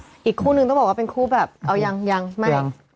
อีกคู่นึงต้องบอกว่าเป็นคู่แบบเอายังยังไม่